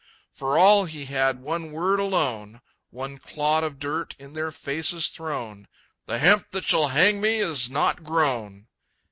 For all he had one word alone, One clod of dirt in their faces thrown, "The hemp that shall hang me is not grown!"